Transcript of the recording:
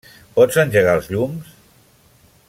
Pots engegar els llums?